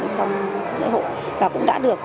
trong lễ hội và cũng đã được